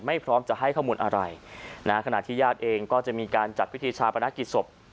พร้อมจะให้ข้อมูลอะไรนะฮะขณะที่ญาติเองก็จะมีการจัดพิธีชาปนกิจศพ